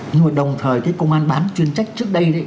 nhưng mà đồng thời cái công an bán chuyên trách trước đây